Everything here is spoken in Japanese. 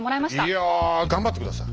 いや頑張って下さい。